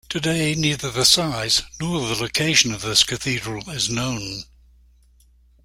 Today, neither the size nor the location of this cathedral is known.